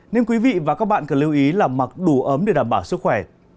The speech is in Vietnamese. nên quý vị và các bạn cần lưu ý là mặc đủ ấm để đảm bảo sức khỏe